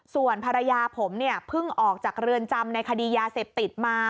ส่วนภรรยาผมเนี่ยเพิ่งออกจากเรือนจำในคดียาเสพติดมา